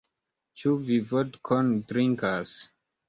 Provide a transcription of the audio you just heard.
Ĉu vi vodkon drinkas?